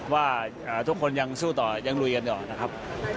ว่าทุกคนยังสู้ต่อยังลุยกันอยู่นะครับ